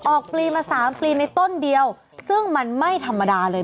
ปลีมา๓ปลีในต้นเดียวซึ่งมันไม่ธรรมดาเลย